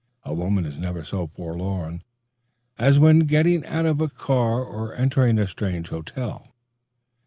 A woman is never so forlorn as when getting out of a car or entering a strange hotel.